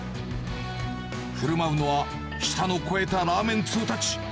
ふるまうのは、舌の肥えたラーメン通たち。